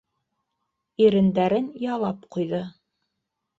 Ирендәрен ялап ҡуйҙы.